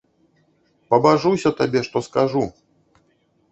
Пабажуся табе, што скажу!